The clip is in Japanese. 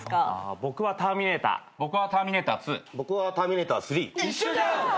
僕は『ターミネーター』僕は『ターミネーター２』僕は『ターミネーター３』一緒じゃん！